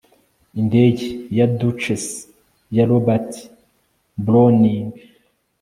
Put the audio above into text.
indege ya duchess ya robert browning